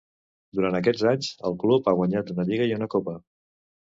Durant aquests anys el club ha guanyat una lliga i una copa.